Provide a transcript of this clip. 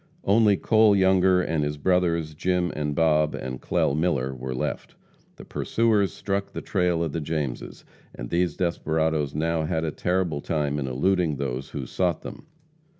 Only Cole Younger and his brothers, Jim and Bob, and Clell Miller, were left. The pursuers struck the trail of the Jameses, and these desperadoes now had a terrible time in eluding those who sought them.